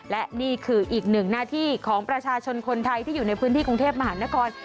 และนี่คืออีกหนึ่งหน้าที่ของประชาชนคนไทยที่อยู่ในพื้นที่กรุงเทพมหานคร